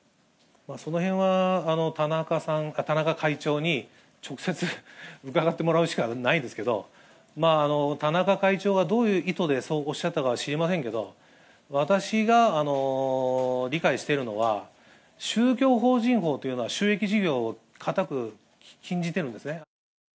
そのへんは、田中さん、田中会長に、直接伺ってもらうしかないんですけど、田中会長がどういう意図でそうおっしゃったか知りませんけど、私が理解しているのは、宗教法人法というのは、収益事業を固く禁じてるんですね。